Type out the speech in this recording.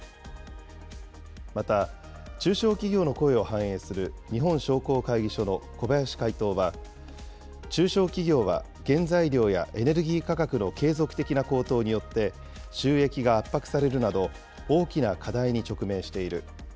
また、中小企業の声を反映する日本商工会議所の小林会頭は、中小企業は原材料やエネルギー価格の継続的な高騰によって、収益が圧迫されるなど、大きな課題に直面している。